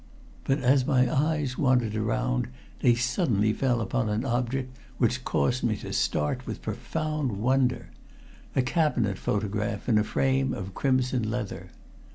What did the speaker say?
But as my eyes wandered around they suddenly fell upon an object which caused me to start with profound wonder a cabinet photograph in a frame of crimson leather.